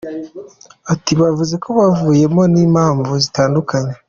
Ati « Bavuze ko bavuyemo, ni ku mpamvu zitandukanye.